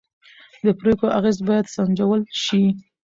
د پرېکړو اغېز باید سنجول شي